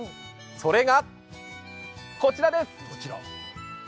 それが、こちらです！